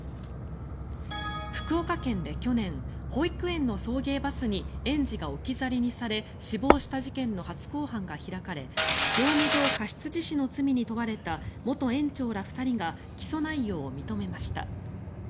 福岡県で去年保育園の送迎バスに園児が置き去りにされ死亡した事件の初公判が開かれ業務上過失致死の罪に問われた元園長ら２人が起訴内容を認めました。